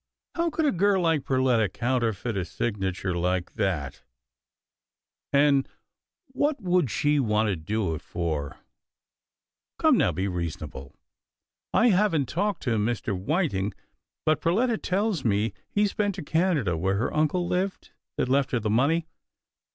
How could a girl like Perletta counterfeit a signature like that ?— and what would she want to do it for ?— Come now, be reasonable. I haven't talked to Mr. Whiting, but Perletta tells me he's been to Canada where her uncle lived that left her the money.